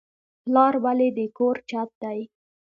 پلار ولې د کور چت دی؟